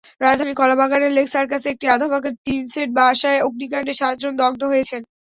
রাজধানীর কলাবাগানের লেক সাকার্সে একটি আধাপাকা টিনশেড বাসায় অগ্নিকাণ্ডে সাতজন দগ্ধ হয়েছেন।